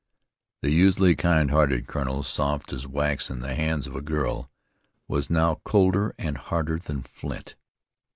The usually kind hearted colonel, soft as wax in the hands of a girl, was now colder and harder than flint.